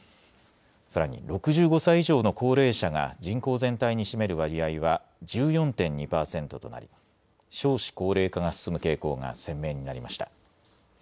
さらに、６５歳以上の高齢者が人口全体に占める割合は１４．２％となり、少子高齢化が進む傾向が鮮明になりました。